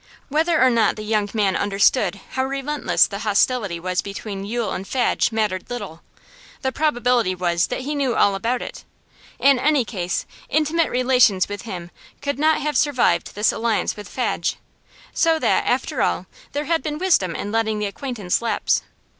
Whether or not the young man understood how relentless the hostility was between Yule and Fadge mattered little; the probability was that he knew all about it. In any case intimate relations with him could not have survived this alliance with Fadge, so that, after all, there had been wisdom in letting the acquaintance lapse.